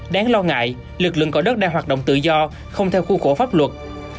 đáng lo ngại lực lượng cỏ đất đang hoạt động tự do không theo khu khổ pháp luật